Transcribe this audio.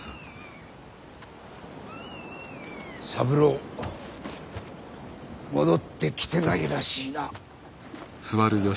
三郎戻ってきてないらしいな。